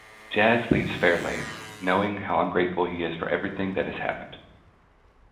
Jazz leaves Fairlane, knowing how ungrateful he is for everything that has happened.